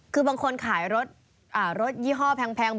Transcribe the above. คือบางคนขายรถยี่ห้อแพง